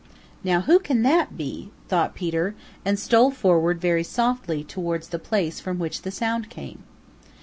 "Now who can that be?" thought Peter, and stole forward very softly towards the place from which the sound came.